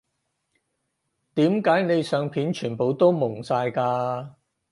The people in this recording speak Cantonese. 點解你相片全部都矇晒㗎